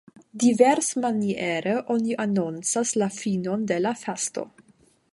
Diversmaniere oni anoncas la finon de la fasto.